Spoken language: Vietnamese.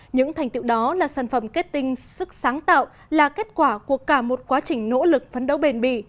những thành tiệu đó là sản phẩm kết tinh sức sáng tạo là kết quả của cả một quá trình nỗ lực phấn đấu bền bì